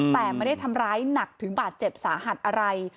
แต่ไม่ได้ทำร้ายหนักถึงบาดเจ็บสาหัสอะไร